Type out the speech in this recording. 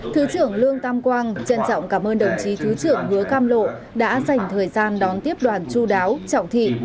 thứ trưởng lương tam quang trân trọng cảm ơn đồng chí thứ trưởng hứa cam lộ đã dành thời gian đón tiếp đoàn chú đáo trọng thị